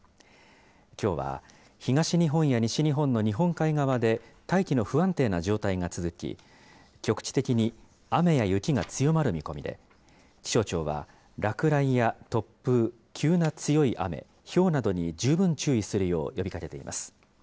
きょうは東日本や西日本の日本海側で大気の不安定な状態が続き、局地的に雨や雪が強まる見込みで、気象庁は、落雷や突風、急な強い雨、ひょうなどに十分注意するよう呼びかけています。